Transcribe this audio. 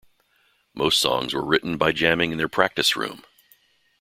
Most songs were written by jamming in their practice room.